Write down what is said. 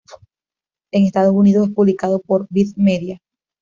En Estados Unidos es publicado por Viz Media.